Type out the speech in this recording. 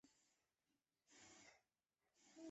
科曼奇是位于美国得克萨斯州科曼奇县的一个城市。